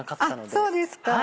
あっそうですか。